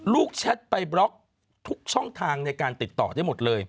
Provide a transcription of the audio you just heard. แชทไปบล็อกทุกช่องทางในการติดต่อได้หมดเลย